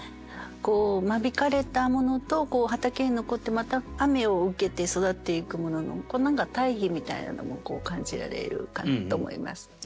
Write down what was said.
間引かれたものと畑に残ってまた雨を受けて育っていくものの何か対比みたいなのも感じられるかと思います。